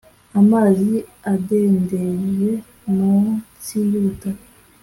amazi adendeje mu nsi y’ubutaka,